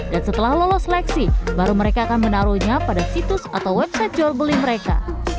dan setelah lolos seleksi baru mereka akan menaruhnya pada situs atau website jual beli mereka